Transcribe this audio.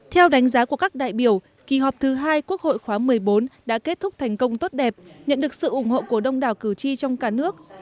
theo đánh giá của các đại biểu kỳ họp thứ hai quốc hội khóa một mươi bốn đã kết thúc thành công tốt đẹp nhận được sự ủng hộ của đông đảo cử tri trong cả nước